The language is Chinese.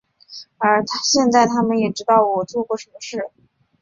而现在他们也知道我做过什么事。